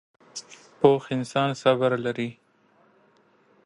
پوخ انسان صبر لري